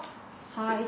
はい。